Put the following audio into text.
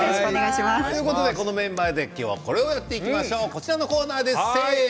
このメンバーで今日はこれをやっていきましょうこちらのコーナーです。